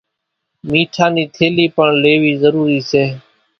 ميٺا نِي ٿيلي پڻ ليوِي ضرُورِي سي